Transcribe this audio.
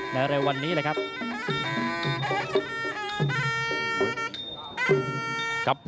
เร็ววันนี้เลยครับ